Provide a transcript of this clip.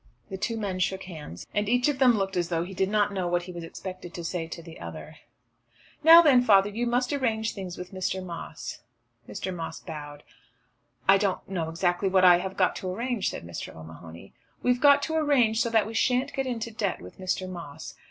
The two men shook hands, and each of them looked as though he did not know what he was expected to say to the other. "Now then, father, you must arrange things with Mr. Moss." Mr. Moss bowed. "I don't exactly know what I have got to arrange," said Mr. O'Mahony. "We've got to arrange so that we shan't get into debt with Mr. Moss."